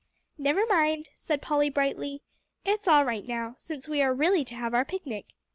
"Never mind," said Polly brightly, "it's all right now, since we are really to have our picnic."